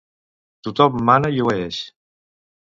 Tothom mana i obeeix.